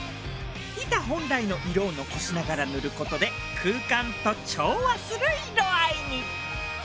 板本来の色を残しながら塗る事で空間と調和する色合いに。